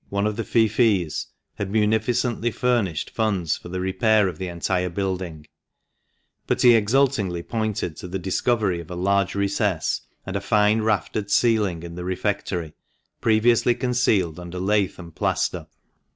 one of the Feoffees, had munificently furnished funds for the repair of the entire building, but he exultingly pointed to the discovery of a large recess and a fine raftered ceiling in the refectory, previously concealed under lath and plaster.